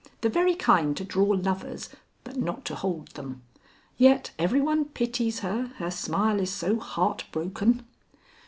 The very kind to draw lovers, but not to hold them. Yet every one pities her, her smile is so heart broken."